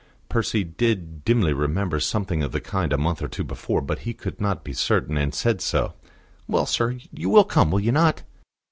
Percy did dimly remember something of the kind a month or two before; but he could not be certain, and said so. "Well, sir, you will come, will you not?"